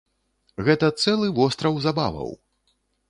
Гэта цэлы востраў забаваў!